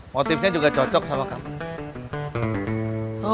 motifnya juga cocok sama kamu